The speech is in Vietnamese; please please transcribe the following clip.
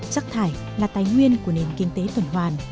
sắc thải là tái nguyên của nền kinh tế tuần hoàn